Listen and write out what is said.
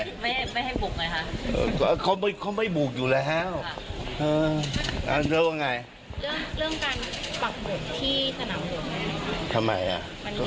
เธอจะไปดูอะไรไม่ให้บุกเลยค่ะเธอไม่ให้บุกเลยค่ะเธอไม่ให้บุกเลยค่ะ